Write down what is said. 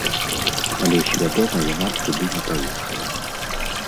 Але свядома яна б туды не паехала.